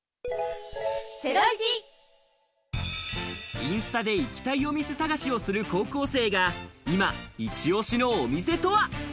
インスタで行きたいお店探しをする高校生が今イチオシのお店とは？